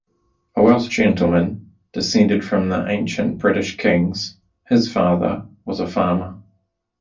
A Welsh gentleman, descended from the ancient British kings, his father was a farmer.